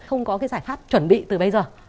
không có cái giải pháp chuẩn bị từ bây giờ